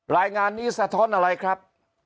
รายงานนี้สะท้อนอะไรครับ